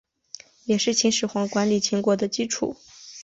也是秦始皇管理秦国的基础。